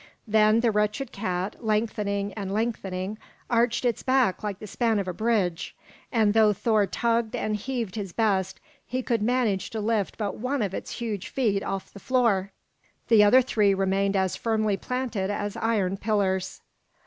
Then the wretched cat, lengthening and lengthening, arched its back like the span of a bridge; and though Thor tugged and heaved his best, he could manage to lift but one of its huge feet off the floor. The other three remained as firmly planted as iron pillars.